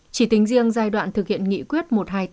chỉ tính riêng giai đoạn thực hiện nghị quyết một trăm hai mươi tám